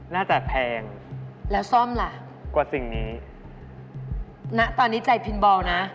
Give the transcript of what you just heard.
นักตอนนี้ใจปีนบอลนะ